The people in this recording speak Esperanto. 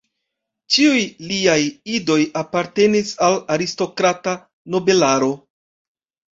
Ĉiuj liaj idoj apartenis al aristokrata nobelaro.